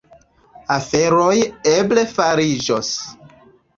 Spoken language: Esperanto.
Aferoj eble fariĝos.